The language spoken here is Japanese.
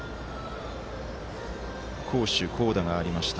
好守、好打がありました。